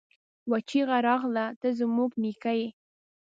يوه چيغه راغله! ته زموږ نيکه يې!